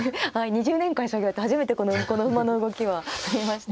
２０年間将棋やって初めてこの馬の動きは見ましたね。